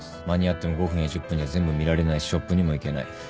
間に合っても５分や１０分じゃ全部見られないしショップにも行けない。